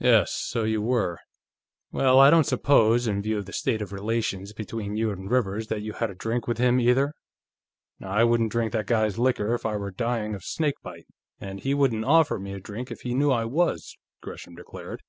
"Yes; so you were. Well, I don't suppose, in view of the state of relations between you and Rivers, that you had a drink with him, either?" "I wouldn't drink that guy's liquor if I were dying of snakebite, and he wouldn't offer me a drink if he knew I was," Gresham declared.